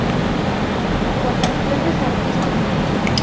Acotaciones artísticas".